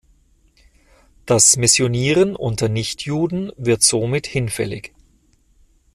Das Missionieren unter Nichtjuden wird somit hinfällig.